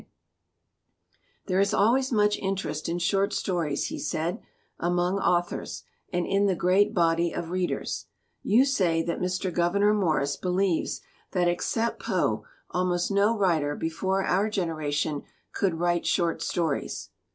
89 LITERATURE IN THE MAKING "There is always much interest in short stories," he said, "among authors, and in the great body of readers. You say that Mr. Gouverneur Morris believes that except Poe almost no writer before our generation could write short stories.